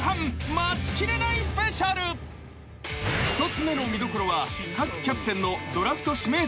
［１つ目の見どころは各キャプテンのドラフト指名戦略］